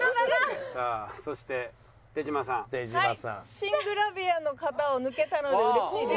新グラビアの方を抜けたのでうれしいです。